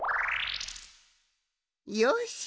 よし！